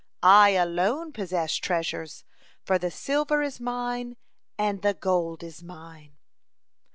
I alone possess treasures, for 'the silver is mind, and the gold is mine.'"